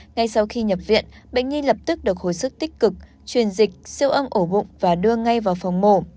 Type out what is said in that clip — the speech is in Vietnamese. ngay sau khi nhập viện bệnh nghi lập tức được hồi sức tích cực truyền dịch siêu âm ổ bụng và đưa ngay vào phòng mổ